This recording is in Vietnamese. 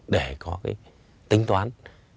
để có tính toán